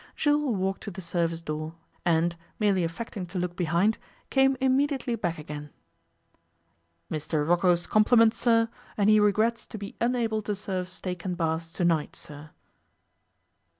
Jules walked to the service door, and, merely affecting to look behind, came immediately back again. 'Mr Rocco's compliments, sir, and he regrets to be unable to serve steak and Bass to night, sir.